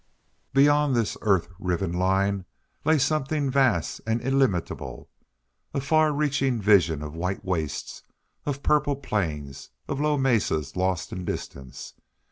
Beyond this earth riven line lay something vast and illimitable, a far reaching vision of white wastes, of purple plains, of low mesas lost in distance.